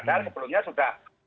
padahal sebelumnya sudah berubah